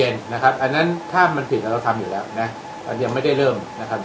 ใจเย็นนะครับอันนั้นถ้ามันผิดเราทำอยู่แล้วแต่มันยังไม่ได้เริ่มนะครับ